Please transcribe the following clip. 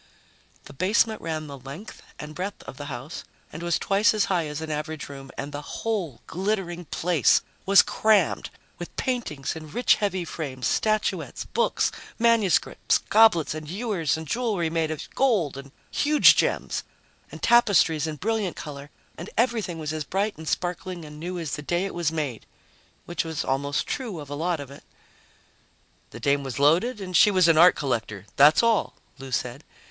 The basement ran the length and breadth of the house and was twice as high as an average room, and the whole glittering place was crammed with paintings in rich, heavy frames, statuettes, books, manuscripts, goblets and ewers and jewelry made of gold and huge gems, and tapestries in brilliant color ... and everything was as bright and sparkling and new as the day it was made, which was almost true of a lot of it. "The dame was loaded and she was an art collector, that's all," Lou said.